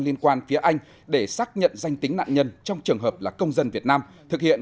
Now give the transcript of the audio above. liên quan phía anh để xác nhận danh tính nạn nhân trong trường hợp là công dân việt nam thực hiện